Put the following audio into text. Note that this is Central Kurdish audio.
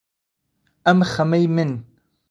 ئەم خەمەی من